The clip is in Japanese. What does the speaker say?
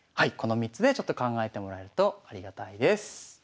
この３つでちょっと考えてもらえるとありがたいです。